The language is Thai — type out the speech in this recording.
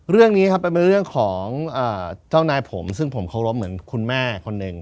เรื่องนี้ครับเป็นเรื่องของเจ้านายผมซึ่งผมเคารพเหมือนคุณแม่คนหนึ่ง